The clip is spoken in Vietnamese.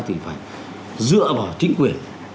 thì phải dựa vào chính quyền